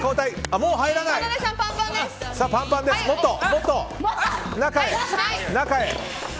もっと中へ。